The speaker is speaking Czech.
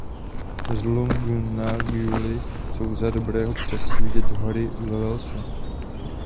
Z Lugnaquilly jsou za dobrého počasí vidět hory ve Walesu.